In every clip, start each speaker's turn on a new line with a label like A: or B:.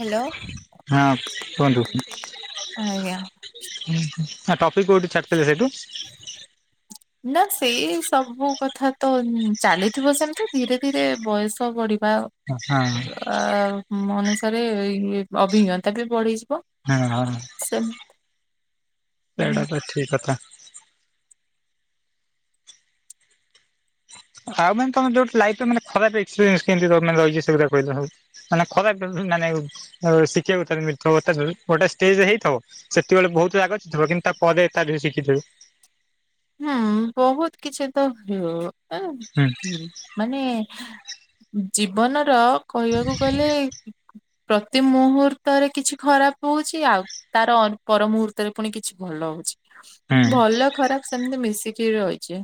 A: Hello
B: ହଁ କୁହନ୍ତୁ।
A: ଆଜ୍ଞା।
B: ନା ଟପିକ୍ କୋଉଠି ଛାଡ଼ି ଥିଲେ ସେଇଠୁ।
A: ନା ସେଇ ସବୁ କଥା ତ ଚାଲିଥିବ ସେମିତି ଧୀରେ ଧୀରେ ବୟସ ବଢି ବା
B: ହଁ
A: ଅ ଅନୁଷାରେ ଅଭିଜ୍ଞତା ଟିକେ ବଢି
B: ହଁ ହ ସେଇଟା ତ ଠିକ କଥା। ଆଉ ମାନେ ତମ ଯୋଉ ଲାଇଫ ଟା ଖରାପ ହେଇଚି ସେ କେମତି ମାନେ ରହିଚି ସେଗୁଡା କହିଲ ସବୁ ମାନେ ଖରାପ ଶିଖିବାକୁ ଗୋଟେ [unintelligible] ଷ୍ଟେଜରେ ହେଇଥିବ ସେତେବେଳେ ବହୁତ ରାଗ ଚିଡୁଥିବ କିନ୍ତୁ ତା ପରେ ତା ଥିରୁ ଶିଖିଥିବୁ।
A: [inaudible] ହୁଁ ବହୁତ କିଛି ତ
B: ହୁଁ
A: ମାନେ ଜୀବନ ର କହିବାକୁ ଗଲେ ପ୍ରତି ମୁହୂର୍ତ୍ତରେ କିଛି ଖରାପ ହଉଛି ଆଉ ତାର ପର ମୁହୂର୍ତ୍ତରେ ପୁଣି କିଛି ଭଲ ହଉଛି।
B: ହୁଁ
A: ଭଲ ଖରାପ [unintelligible] ରହିଛି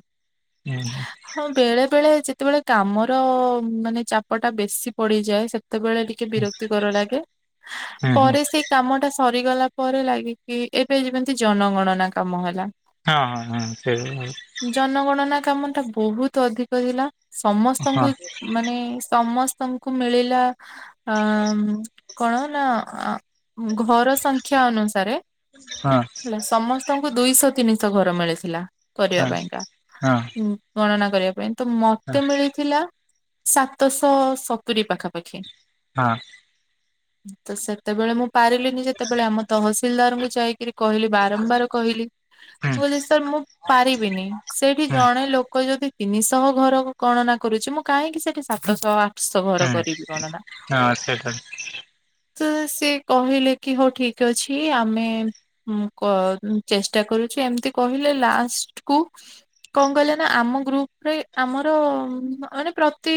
B: ହୁଁ
A: ହଁ ବେଳେ ବେଳେ ଯେତେବେଳେ କାମର ମାନେ ଚାପଟା ବେଶୀ ପଡ଼ିଯାଏ ସେ ସେତେବେଳେ ଟିକେ ବିରକ୍ତି କର ଲାଗେ
B: ହୁଁ ହୁଁ ହଁ ହଁ
A: ପରେ ସେ କାମ ଟା ସରିଗଲା ପରେ ଲାଗିକି ଏବେ ଯେମିତି ଜନଗଣନା କାମ ହେଲା।
B: ହଁ ହଁ ହଁ ସେଇ
A: ଜନଗଣନା କାମ ଟା ବହୁତ୍ ଅଧିକ ଥିଲା
B: ହଁ
A: ସମସ୍ତଙ୍କୁ ମାନେ ସମସ୍ତ ତମକୁ ମିଳିଲା ଅ କଣ ନା ଘର ସଂଖ୍ୟା ଅନୁସାରେ
B: ହଁ ହଁ ହଁ
A: ସମସ୍ତଙ୍କୁ ଦୁଇଶହ ତିନିଶହ ଘର ମିଳି ଥିଲା କରିବା
B: ହୁଁ
A: ପାଇଁକା ଗଣନା କରିବା ପାଇଁ ତ ମତେ ମିଳିଥିଲା ସାତଶହ ସତୁରି ପାଖାପାଖି।
B: ହଁ।
A: ତ ସେତେବେଳେ ମୁଁ ପାରିଲିନି ଯେତେବେଳେ ଆମ ତହସିଲଦାରଙ୍କୁ ଯାଇ କହିଲି ବାରମ୍ବାର କହିଲି [unintelligible]
B: ହୁଁ
A: [unintelligible] ମୁଁ ପାରିବିନି ସେଇଠି ଜଣେ ଲୋକ ଯଦି ତିନି [unintelligible] ଘର ଗଣନା କରୁଛି ମୁଁ କାହିଁକି ସେଠି ସାତଶହ [unintelligible] ଘର
B: ହୁଁ
A: କରିବି ଗଣନା।
B: ହଁ ସେଇଟା
A: ତ ସେ କହିଲେ କି ହଉ ଠିକ୍ ଅଛି ଆମେ [unintelligible] ଚେଷ୍ଟା କରୁଛୁ ଏମିତି କହିଲେ ଲାଷ୍ଟ କୁ କଣ କହିଲେ ନା ଆମ ଗ୍ରୁପରେ ଆମର ମାନେ ପ୍ରତି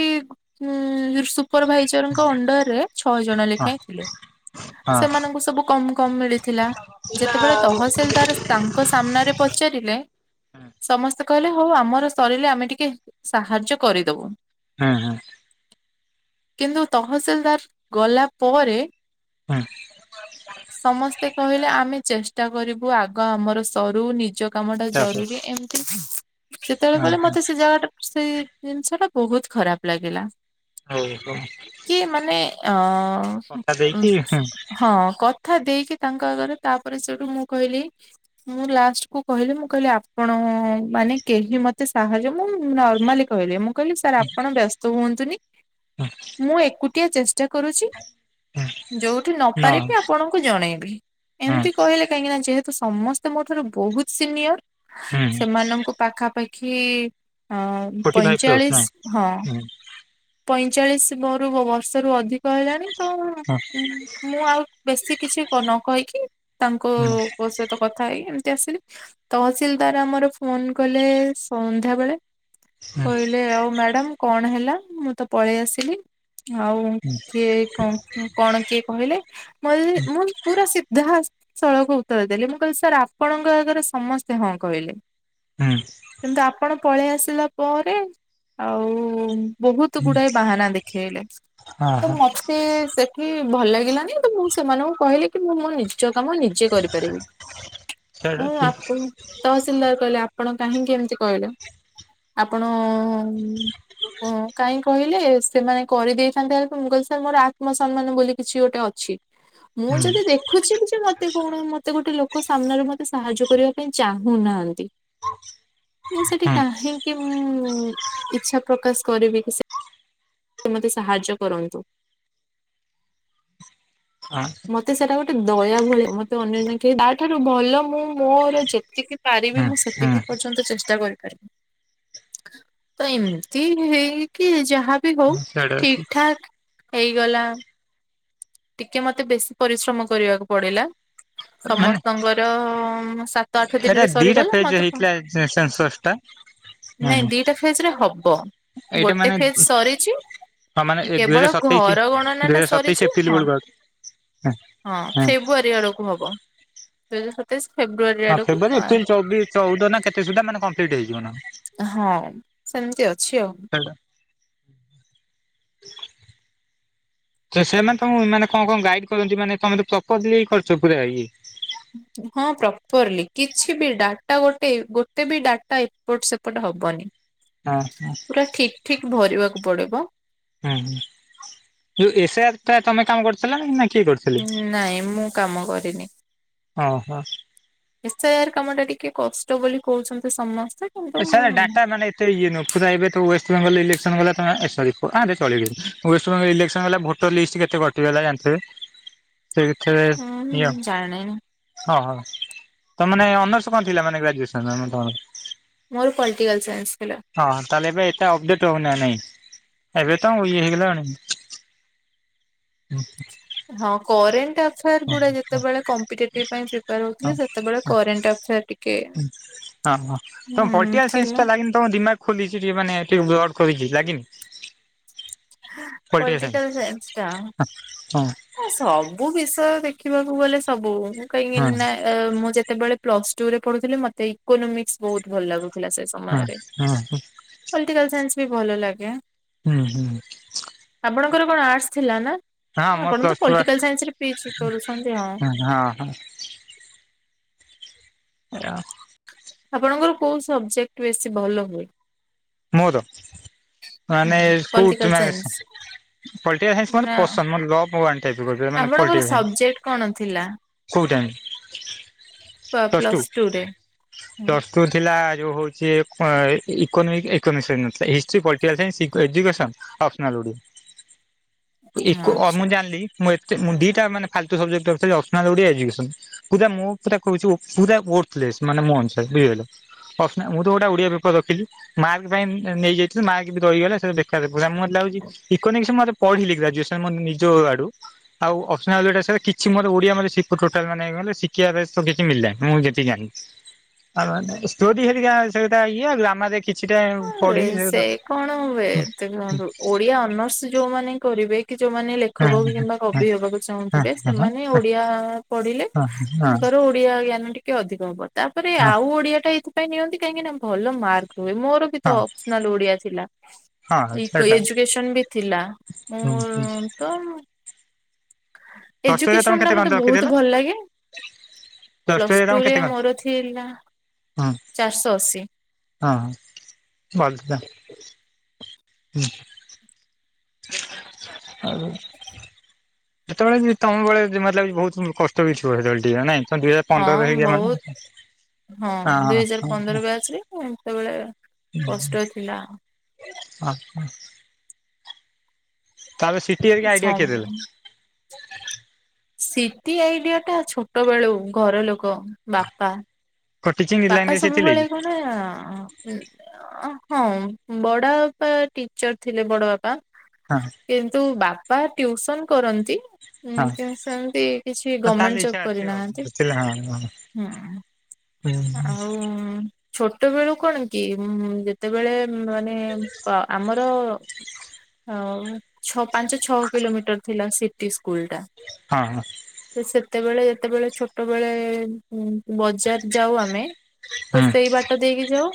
A: ଉଁ ସୁପରଭାଇଜରଙ୍କ ଅଣ୍ଡର ରେ ଛଅ ଜଣ
B: ହଁ
A: ଲେଖାଏଁ ଥିଲେ
B: ହଁ
A: ସେମାନଙ୍କୁ ସବୁ କମ୍ କମ୍ ମିଳି ଥିଲା ଯେତେବେଳେ ତହସିଲଦାର ତାଙ୍କ ସାମ୍ନାରେ ପଚାରିଲେ ସମସ୍ତେ କହିଲେ ହଉ ଆମର ସରିଲେ ଆମେ ଟିକେ ସାହାଯ୍ୟ କରିଦବୁ।
B: ହୁଁ ହୁଁ।
A: କିନ୍ତୁ ତହସିଲଦାର ଗଲା ପରେ
B: [unintelligible]
A: ସମସ୍ତେ କହିଲେ ଆମେ ଚେଷ୍ଟା କରିବୁ ଆଗ ଆମର ସରୁ ନି କାମ ଟା
B: ତାପରେ
A: ଜରୁରୀ ଏମିତି ସେତେବେଳେ
B: ହଁ
A: କହିଲେ
B: ହଁ
A: ମତେ ସେ ଜାଗା ଟା ସେଇ ଜିନିଷ ଟା ବହୁତ୍ ଖରାପ୍ ଲାଗିଲା।
B: ହଉ ହଉ।
A: କି ମାନେ ଅ
B: କଟା ଦେଇକି ହୁଁ
A: ହଁ କ କଥା ଦେଇକି ତାଙ୍କ ଆଗରେ ତାପରେ ସେଠୁ ମୁଁ କହିଲି ମୁଁ ଲାଷ୍ଟ କୁ କହିଲି ମୁଁ କହିଲି ଆପଣ ମାନେ କେହି ମତେ ସାହାଯ୍ୟ ମୁଁ ନର୍ମାଲି କହିଲି ମୁଁ କହିଲି ଆପଣ ବ୍ୟସ୍ତ ହୁଅନ୍ତୁନି
B: ହୁଁ
A: ମୁଁ ଏକୁଟିଆ ଚେଷ୍ଟା କରୁଛି।
B: ହୁଁ
A: ଯୋଉଠି ନ ପାରିବି ଆପଣଙ୍କୁ ଜଣେଇବି
B: ହୁଁ
A: ଏମିତି କହିଲେ କାହିଁକି ନା ଯେହେ ତ ସମସ୍ତେ ମୋ ଠାରୁ ବହୁତ୍ ସିନିୟର
B: ହୁଁ
A: ସେମାନଙ୍କୁ ପାଖାପାଖି ହଁ
B: ଫୋର୍ଟି ଫାଇଭ୍ ପ୍ଲସ୍ ନା
A: ପଇଁଚାଳିଶି ହଁ।
B: ହୁଁ
A: ପଇଁଚାଳିଶି ମୋର ବର୍ଷ ରୁ ଅଧିକ ହେଲାଣି ତ
B: ହଁ।
A: ଉଁ ମୁଁ ଆଉ ବେଶୀ କିଛି ନ କହିକି ତାଙ୍କ
B: ହୁଁ
A: ସହିତ କଥା ହେଇକି ଆସିଲି ତହସିଲଦାର ଆମର ଫୋନ କଲେ ସନ୍ଧ୍ୟାବେଳେ।
B: ହୁଁ
A: କହିଲେ ଆଉ ମ୍ୟାଡାମ କଣ ହେଲା ମୁଁ ତ ପଳେଇ ଆସିଲି। ଆଉ କିଏ କ କଣ କିଏ କହିଲେ [unintelligible] ମୁଁ ପୁରା ସିଧା ସ ସଳଖ ଉତ୍ତର ଦେଲି ମୁଁ କହିଲି ସାର୍ ଆପଣଙ୍କ ଆଗରେ ସମସ୍ତେ ହଁ କହିଲେ।
B: ହୁଁ
A: କିନ୍ତୁ ଆପଣ ପଳେଇ ଆସିଲା ପରେ ଆଉ ବହୁତ୍
B: ହୁଁ
A: ଗୁଡ଼ାଏ ବାହାନା ଦେଖେଇଲେ
B: ହଁ
A: ତ
B: ହଁ
A: ମତେ ସେଠି ଭଲ ଲାଗ ଲାନି ତ ମୁଁ ସେମାନଙ୍କୁ କହିଲି କି ମୁଁ ମୋ ନିଜ କାମ ନିଜେ କରିପାରିବି।
B: ସେଇଟା
A: ମୁଁ
B: ଠିକ୍
A: ଆପଣ ତହସିଲଦାର କହିଲେ ଆପଣ କାହିଁକି ଏମିତି କହିଲେ? ଆପଣ କାହିଁ କହିଲେ ସେମାନେ କରିଦେଇଥାନ୍ତେ ହେଲ୍ପ ମୁ କହିଲି ସାର୍ ମୋର ଆତ୍ମସମାନ ବୋଲି କିଛି ଗୋଟେ ଅଛି। ମୁଁ
B: ହୁଁ
A: ଯଦି ଦେଖୁଛି ଯେ ମତେ କଣ ମତେ ଗୋଟେ ଲୋକ ସାମ୍ନାରେ ମତେ ସାହାଯ୍ୟ କରିବା ପାଇଁ ଚାହୁଁନାହାନ୍ତି ମୁଁ ସେଠି
B: ହୁଁ
A: କାହିଁକି ମୁଁ ଇଚ୍ଛା ପ୍ରକାଶ କରିବି କି ସେ ସେ ମୋତେ ସାହାଯ୍ୟ କରନ୍ତୁ ।
B: ହଁ
A: ମତେ ସେଟା ଗୋଟେ ଦୟା ଭଳି ମତେ ଅନ୍ୟ ଜ ତାଠାରୁ ଭଲ ମୁଁ ମୋର ଯେତିକି ପାରିବି
B: ହୁଁ ହୁଁ
A: ମୁଁ ସେତିକି ପର୍ଯ୍ୟନ୍ତ ଚେଷ୍ଟା କରିପାରିବି । ତ ଏମିତି ହେଇକି ଯାହା ହଉ
B: ସେଇଟା
A: ଠିକ
B: ଠିକ୍
A: ଠାକ ହେଇଗଲା । ଟିକେ ମତେ ବେଶୀ ପରିଶ୍ରମ କରିବାକୁ ପଡିଲା ।
B: ମାନେ
A: ସମସ୍ତଙ୍କର ଆଠ
B: ଏଇଟା
A: ଦିନରେ
B: ଦିଟା
A: ସରିଗଲା
B: ଫେଜ
A: ମତେ
B: ହେଇଥିଲା ସେ ସେନସସ୍ ଟା ।
A: ନାଇଁ ଦିଟା ଫେଜ ରେ ହବ
B: ଏଇଟା
A: ଗୋଟେ
B: ମାନେ
A: ଫେଜ ସରିଛି
B: ହଁ ମାନେ ଦୁଇ ହଜାର
A: କେବଳ
B: ସତେଇଶି
A: ଘର ଗଣନା
B: ଦୁଇ
A: ଟା
B: ହଜାର ସତେଇଶି
A: ସରିଛି
B: ଏପ୍ରିଲ
A: ହଁ
B: ବେଳକୁ ଆଉଛି
A: ହଁ ଫେବୃଆରୀ ଆଡକୁ ହବ ଦୁଇ ହଜାର ସତେଇଶ ଫେବୃଆରୀ
B: ହଁ
A: ଆଡକୁ
B: ଫେବୃୟାରୀ ଏପ୍ରିଲ ଚବି ଚଉଦ ନା କେତେ ସୁଦ୍ଧା ମେ କମ୍ପ୍ଲିଟ୍ ହେଇଯିବ ନା ।
A: ହଁ ସେମିତି ଅଛି ଆଉ । [inaudible]
B: ତ ସେମାନେ ତ ମାନେ କଣ କଣ ଗାଇଡ କରନ୍ତି ମାନେ ତମେ ତ ପ୍ରପରଲି କରୁଛ ପୁରା ଇଏ?
A: ହଁ ପ୍ରପରଲି କିଛି ବି ଡାଟା ଗୋଟେ ଗୋଟେ ବି ଡାଟା ଏପଟ ସେପଟ ହ ହବନି
B: ହଁ ହଁ
A: ପୁରା ଠିକ ଠିକ ଭରିବାକୁ ପଡିବ ।
B: ହୁଁ ଯୋଉ ଏସଆ ଟ ତମେ କାମ କରୁଥିଲ ନା ନାଇ ।
A: ନାଇଁ ମୁଁ କାମ କରିନି ।
B: ହଁ ହଁ।
A: ଏସ୍ ଆଇଆର୍ କାମ ଟା ଟିକେ କଷ୍ଟ ବୋଲି କହୁଛନ୍ତି ସମସ୍ତେ କିନ୍ତୁ
B: ସେ
A: ମୁଁ
B: ଡାଟା ମାନେ ଏତେ ଇଏ ନୁହ ଏବେ ୱେଷ୍ଟବେଙ୍ଗଲ ଇଲେକ୍ସନ ଗଲା ତମେ ସରି ଚଳିବ ୱଷ୍ଟବେଙ୍ଗଲ ଇଲେକ୍ସନ ହେଲା ଭୋଟର ଲିଷ୍ଟ କେତେ କଟିଗଲା ଜାଣିଥିବେ । ସେଥିରେ ଇଏ
A: ହୁଁ ଜାଣିନି।
B: ହଁ ହଁ । ତ ମାନେ ଅନର୍ସ କଣ ଥିଲା ମାନେ ଗ୍ରାଜୁଏସନ?
A: ମୋର ପଲିଟିକାଲ ସାଇନ୍ସ ।
B: ହଁ ତାହେଲେ ଏବେ ଏତେ ଅପଡେଟ ହଉନି ନାଇଁ? ଏବେ ତ ଇଏ ହେଇଗଲାଣି ।
A: ଫେରଗୁଡା
B: ହଁ
A: ଯେତେବେଳେ କମ୍ପିଟେଟିଭ ପାଇ ପ୍ରିପାର
B: ହଁ
A: ହଉଥିଲେ
B: ହଁ।
A: ସେତେବେଳେ
B: ହଁ
A: କରେଣ୍ଟଏଫେୟାର ଟିକେ
B: ହଁ ହଁ ତମ
A: ହୁଁ
B: ପଲିଟିକାଲ ସାଇନ୍ସ
A: ଥିଲା।
B: ଟା ଲାଗିନି ତମ ଦିମାାଗ ଖୋଲିଛି ଟିକେ ମାନେ ଟିକେ ବ୍ରଡ କରିଛି ଲାଗିନି। ପଲିଟିକାଲ ସାଇନ୍ସ
A: ପଲଟିକାଲ ସାଇନସଟା
B: ହଁ
A: ସବୁ ବିଷୟ ଦେଖ ଦେଖିବାକୁ ଗଲେ ସବୁ ମୁଁ କାହିଁକି
B: ହଁ
A: ନା ମୁଁ ଯେ ଯେତେବେଳେ ପ୍ଲସ ଟୁ ରେ ପଢୁଥିଲେ ମତେ ଇକୋନୋମିକସ୍ ବହୁତ ଭଲ ଲାଗୁ ଥିଲା ସେ
B: ହଁ
A: ସମୟରେ
B: ହଁ ହୁଁ
A: ପଟିକାଲ ସାଇନ୍ସ ବି ଭଲ ଲାଗେ ।
B: ହୁଁ ହୁଁ।
A: ଆପଣଙ୍କର କଣ ଆର୍ଟସ୍ ଥିଲା ନା? ହଁ
B: ମୋ
A: ଆପଣ ତ
B: ପ୍ଲସ୍ ଟୁ ହଁ
A: ପଲିଟିକାଲ ସାଇନ୍ସରେ ପିଚ କରୁଛନ୍ତି ହଁ ।
B: ହଁ ଆ।
A: ଆପଣଙ୍କର କୋଉ ସବଜେକ୍ଟ ବେଶୀ ଭଲ ହୁଏ?
B: ମୋର? ମାନେ
A: ହଁ, ପଲିଟିକାଲ
B: କୋଉଠ ପଲଟିକାଲ ସାଇନ୍ସ ମୋର
A: ନା
B: ପସନ୍ଦ ଲଭ ୱାନ ଟାଇପ।
A: ଆପଣଙ୍କର ସବଜେକ୍ଟ କଣ ଥିଲା?
B: କୋଉଟା?
A: [inaudible]
B: ପ୍ଲସଟୁ
A: ପ୍ଲସ ଟୁରେ?
B: ପ୍ଲସଟୁ ଥିଲା ଯେଉ ହଉଛି ଇକୋନୋମିକ । କେମିଷ୍ଟ୍ରୀ ହେଇନଥିଲା। ହିଷ୍ଟ୍ରି, ପଟିକାଲ୍ ସାଇନ୍ସ, ଇକୋଏୁଜୁକେସନ୍ ଅପ୍ସନାଲ୍ ଓଡ଼ିଆ। ଏକ
A: ଆଚ୍ଛା।
B: ମୁଁ ଜାଣିଲି । ମୁଁ ଏତେ, ମୁଁ ଦିଟା ମାନେ ଫାଲତୁ ସବଜେକ୍ଟ ରଖିଥିଲି, ଅପ୍ସନାଲ୍ ଓଡ଼ିଆ ଏଜୁକେସନ୍। ପୁରା ମୁଁ ପୁରା କହୁଛି ଓ ପୁରା ଓ ଓର୍ଥଲେସ୍ ମାନେ ମୋ ଅନୁସାରେ ବୁଝିପାଇଲେ, [unintelligible] ମୁଁ ଯୋଉଗୋଟା ଓଡ଼ିଆ ପେପର ରଖିଥିଲି। ମାର୍କ ସେପାଇଁ ନେଇଯାଇଥିଲି, ମାର୍କ ବି ରହିଗଲା। ସେ ଦେଖାଦବ ମତେ ଲାଗୁଛି ଇୋକୋନମି଼ସ୍ ମୋତେ ପଢିଲି ଗ୍ରାଜୁସନ୍ ମୋ ନିଜ ଆଡୁ, ଆଉ ଅପ୍ସନାଲ୍ ଯୋଟା ସେଟା କିଛି ମୋର, ଓଡିଆ ମାନେ ସେ ଟୋଟାଲ ମାନେ ମତେ ଶିଖିବାର ତ କିଛି ମିଳିଲାନି। ମୁଁ ଯେତିକି ଜାଣିିଲି ଆଉ ମାନେୋରି ହେିକ ସେଟା ଇଏ ଆଉ ଗ୍ରାମରେ କିଛି [unintelligible]
A: ହଁ ଯେ, ସେ କଣ ହୁଏ
B: ହଁ
A: ଦେଖନ୍ତୁ, ଓଡିଆ ଅନର୍ସ ଯୋଉମାନେ କରିବେ କି ଯୋଉମାନେ
B: ହଁ
A: ଲେଖକ
B: ହଁ
A: କିମ୍ବା କବି ହେବାକୁ
B: ହଁ
A: ଚାହୁଁଥିବେ,
B: ହଁ ହଁ ହଁ ହଁ
A: ସେମାନେ ଓଡିଆ ପଢିଲେ
B: ହଁ ହଁ।
A: ତାଙ୍କ ଧର ଓଡିଆ ଜ୍ଞାନ ଟିକେ ଅଧିକ ହବ। ତାପରେ
B: ହଁ
A: ଆଉ ଓଡିଆ ଟା ଏଇଥି ପାଇଁ ନିଅନ୍ତି, କାହିଁକିନା ଭଲ ମାର୍କ୍ ରୁହେ। ମୋର ବି ତ
B: ହଁ
A: ଅପ୍ସନାଲ୍ ଓଡିଆ ଥିଲା।
B: ହଁ
A: ଇକୋ
B: ସେଇଟା
A: ଏଜୁକେସନ୍ ବି ଥିଲା।
B: ହୁଁ ହୁଁ
A: ମୁଁ ତ
B: ପ୍ଲସ ଟୁ ରେ ତମେ
A: ଏଜୁକେସନ୍ ଟା
B: କେତେ କଣ
A: ମତେ
B: ରଖିଥିଲ?
A: ବହୁତ ଭଲ ଲାଗେ। ପ୍ଲସ୍ ଟୁ ରେ ମୋର ଥିଲା
B: ହୁଁ
A: ଚାରିଶହ ଅଶୀ
B: ହଁ ହ ଭଲଥିଲା । ହୁଁ ଆ [unintelligible] ସେତେବେଳେ ବି ତମ ବେଳେ ବି ମତେ ଲାଗୁଛି ବହୁତ କଷ୍ଟ ବି ଥିବ। ସେତେବେଳେ ଟିକେ ନାଇଁ? ତମେ ଦୁଇ ହଜାର ପନ୍ଦରରେ
A: ହଁ
B: ହେଇଚ ମାନେ
A: ବହୁତ ହଁ ଦୁଇ ହଜାର ପନ୍ଦର ବ୍ୟାଚ୍ ରେ, ସେତେବେଳେ କଷ୍ଟ ଥିଲା।
B: ହଁ ହ । ତାହଲେ ସିଟି ଘରିକା ଆଇଡିଆ କିଏ
A: ସମ
B: ଦେଲେ?
A: ସିଟି ଆଇଡିଆ ଟା ଛୋଟ ବେଳୁ। ଘର ଲୋକ ବାପା
B: କୋଉ ଟିଚିଂ ଲାଇନ
A: ବାପା
B: ରେ ସେ ଥିଲେ
A: ସବୁବେଳେ
B: କି?
A: କଣ ଅଂହ୍ ହଁ ବଡ ବାପା ଟିଚର୍ ଥିଲେ, ବଡ ବାପା,
B: ହଁ
A: କିନ୍ତୁ ବା ବା ଟିଉସନ୍ କରନ୍ତି। ଉଁ
B: ହଁ
A: କିନ୍ତୁ ସେମତି କିଛି
B: ହଁ ତାହେଲେ
A: ଗମେଣ୍ଟ ଜବ୍
B: ଇଚ୍ଛା ଅଛି ଆଉ
A: କରିନାହାନ୍ତି।
B: ବୁଝିଲେ ହଁ ହଁ।
A: ହୁଁ,
B: ହୁଁ
A: ଆଉଉଁ ଛୋଟ ବେଳୁ କଣ କି, ଯେତେବେଳେ ମାନେ ଆମର ଆଉ ଛ ପାଞ୍ଚ ଛଅ କିଲୋମିଟର ଥିଲା ସିଟି ସ୍କୁଲ୍ ଟା।
B: ହଁ ହଁ
A: ଯେତେବେଳେ, ଯେତେବେଳେ ଛୋଟବେଳେ ବ ଯାଉ ଆମେ, ତ ସେଇ
B: ହଁ
A: ବାଟ ଦେଇକି ଯାଉ।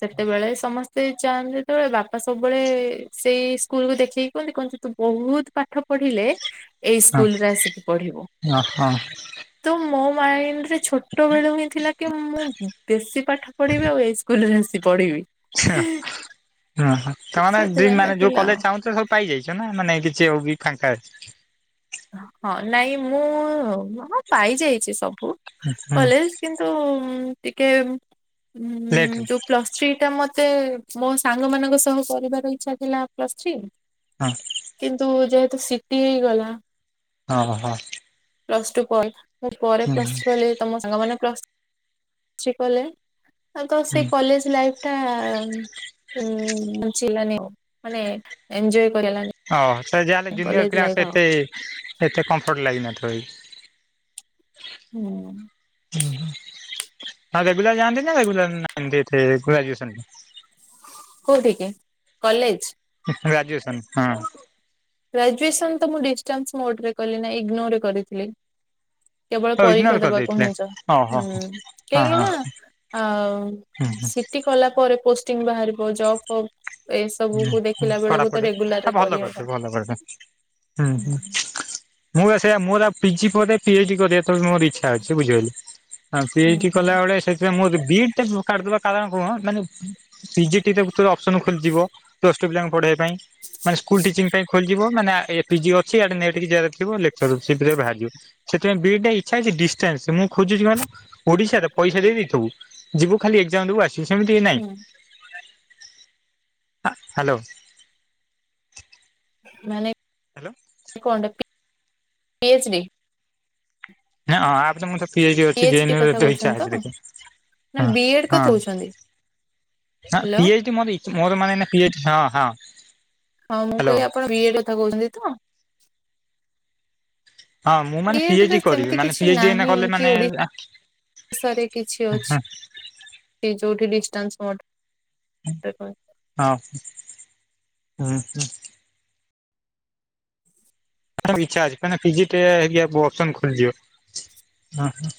A: ସେତେବେଳେ ସମସ୍ତେ ଚାନ୍ତି, ଯେତେବେଳେ ବାପା ସବୁବେଳେ ସେଇ ସ୍କୁଲକୁ ଦେଖେଇକି କୁହନ୍ତି କଉଛି ତୁ ବହୁତ ପାଠ ପଢିଲେ ଏଇ ସ୍କୁଲ ରେ ଆସିକି ପଢିବୁ।
B: ଓ ହଁ
A: ତ ମୋ ମାଇଣ୍ଡରେ ଛୋଟବେଳୁ ହିଁ ଥିଲା କି ମୁଁ ବେସି ପାଠ ପଢିବି ଆଉ ଏଇ ସ୍କୁଲରେ ଆସି ପଢିବି।
B: ଆଚ୍ଛା। ଓହୋ ତାମାନେେ ଡିଲ୍
A: ସେଥିପାଇଁକା
B: ମାନେ ଯୋଉ
A: ଥିଲା ଆଉ
B: କଲେଜ ଚାହୁଛ ସବୁ ପାଇଯାଇଛ ନା, ମାନେ କିଛି ଆଉ ବି ଫାଙ୍କା [unintelligible]
A: ହଁ ନାଇଁ ମୁଁ, ହଁ, ପାଇଯାଇଛି ସବୁ। ବୁ
B: ହୁଁ
A: କଲେଜ କିନ୍ତୁ ଟିକେ ଉଁ
B: ଲେଟ୍
A: ଯୋଉ ପ୍ଲସ୍ ଥ୍ରୀ ଟା ମ ମତେ ମୋ ସାଙ୍ଗ ମାନଙ୍କ ସହ କରିବାର ଇଚ୍ଛା ଥିଲା ପ୍ଲସ ଥ୍ରୀ।
B: ହଁ
A: କିନ୍ତୁ ଯେହେତୁ ସିଟି ହେଇଗଲା
B: ହଁ ହଁ ହଁ।
A: ପ୍ଲସ ଟୁ ପରେ, ମୁଁ ପରେ ପ୍ଲସ୍ ଟୁ କଲେ ତମ ସାଙ୍ଗମାନେ ପ୍ଲସ ଥ୍ରୀ କଲେ । ଆଁ ତ ସେ
B: ହୁଁ
A: କଲେଜ ଲାଇଫ୍ ଟା, ଉଁ ବଞ୍ଚି ହେଲାନି ଆଉ ।ମାନେ ଏଞ୍ଜୟ୍
B: ଓହ ସେ ଯାହା ହେଲେ ଜୁନିୟର ପିଲା ସେ
A: ଆଉ
B: ଏତେ ଏତେ କମ୍ଫର୍ଟ ଲାଗିିନଥିବ ବି। [inaudible]
A: ହୁଁ।
B: ହଁ ରଗୁଲର ଯନ୍ତି ନା ରଗୁଲର ଗ୍ରଜୁ
A: କୋଉଠିକି କଲେଜ?
B: ଗ୍ରାଜୁଏସନ୍ ହଁ।
A: ଗ୍ରାଜୁଏସନ୍ ତ ମୁଁ ଡିଷ୍ଟାନ୍ସ ମୋଡରେ କଲି ନା ଇଗ୍ନୋର କରିଥିଲି। କେବଳ
B: ଆଉ ଇଗ୍ନୋର
A: ପରୀକ୍ଷା ଦେବାକୁ
B: କରିଦେଇଥିଲେ
A: ହିଁ ଯ
B: ଓହୋ
A: ହୁଁ
B: ହଁ
A: କାହିଁକି
B: ହଁ
A: ନା ଆଉ
B: ହୁଁ ହୁଁ
A: ସିଟି କଲା ପରେ ପୋଷ୍ଟିଂ ବାହାରିବ ଜବ୍ ଫବ୍ ଏସବୁ
B: ହୁଁ
A: କୁ
B: ହୁଁ
A: ଦେଖିଲା ବେଳକୁ ତ
B: ପଢାପଢି ଆ
A: ରେଗୁଲାର ରେ
B: ଭଲ କରିଛ
A: କରିହଲା।
B: ଭଲ ହୁଁ ହଁ। ମୁଁ ସେ ମୋରଉ ପିଜି ପିଚଡି କରିବା ଏ ମୋର ଇଛା ଅଛି ବୁଝିପାଇଲେ ହଁ ପି
A: ହୁଁ
B: ଏଚ ଡି
A: ହୁଁ।
B: କଲା ବଳେ ସେଥିପାଇଁ ବିଡ଼ି ଟେ କାଟିଦବା କାରଣ କ ମାନେ ପିଜି ତ ଅପସନ ଖୋଲିଯିବ ପ୍ଲସ୍ ଟୁ ପିଲାଙ୍କୁ ପଢେଇବା ପାଇଁ ମାନ ସ୍କୁଲ ଟିଚିଂ ପାଇଁ ଖୋଲିଯିବ ମାନେ ଏ ପିଜି ଅଛିି ଇଆଡ଼େ ନେଟ କି ଜେର ଥିବ ଲେଚ ରେ ବାହାରିବ ସେଥିପାଇଁ ବିଡ଼ିଟା ଇଚ୍ଛା ଅଛି ଡିଷ୍ଟାନ୍ସ ମୁଁ ଖୋଜୁଛି କଣ ଓଡିଶାର ପଇସା ଦେଇଥିବୁ ଯିବୁ ଖାଲି ଏକ୍ଜାମ ଦବୁ ଆସିବୁ ସେ ସେମିତି ନାଇଁ
A: ହୁଁ
B: ହ୍ୟାଲୋ।
A: ମାନେ
B: ହଁ
A: କଣ୍ଡକ୍ଟ ପି ଏଚ ଡି
B: ନାଁ ଆପ ତ ପି ଏଚ ଡ଼ି
A: ଡି କଥା
B: ଅଛି ଇଛା
A: କହୁଛନ୍ତି ତ?
B: ଅଛି ଦେଖ
A: ନା
B: ହ
A: ବି ଏଡ୍ କଥା
B: ହଁ।
A: କହୁଛନ୍ତି
B: ହଁ
A: ହ୍ୟାଲୋ
B: ପି ଏଚ୍ ଡ଼ି ମୋରେ ଇ ମୋର ମାନେ ପି ଏଚ ହଁ ହଁ।
A: ହଁ ମୁଁ କହ
B: ହ୍ୟାଲୋ।
A: ଆପଣ ବିଏ କଥା କହୁଛନ୍ତି ତ?
B: ହଁ ମୁଁ ମାନେ
A: ବିଡ଼ିରେ
B: ପିଏଚଡି କରିବି
A: ସେମିତି
B: ମାନେ
A: କିଛି
B: ପିଏଚଡି ଏଇନା
A: ନାହିଁ
B: କଲେ
A: କି
B: ମାନେ
A: ଓ ରେ କିଛି ଅଛି ସେ ଯୋଉଠି ଡିଷ୍ଟାନ୍ସ
B: ହଁ ହୁଁ ହ। ଇଛା ଅଛି କ ଫିଜିଟ ହେ ଅପସନ ଖୋଲିଯିବ ହ